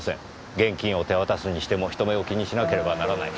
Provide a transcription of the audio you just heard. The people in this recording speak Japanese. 現金を手渡すにしても人目を気にしなければならない。